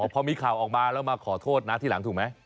พอมีข่าวออกมาแล้วมาขอโทษนะทีหลังถูกไหม